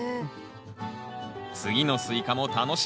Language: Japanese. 次のスイカも楽しみです。